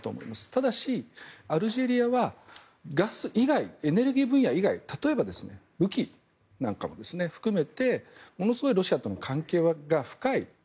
ただし、アルジェリアはガス以外、エネルギー分野以外例えば、武器なんかも含めてものすごいロシアとの関係が深い。